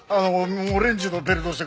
オレンジのベルトして。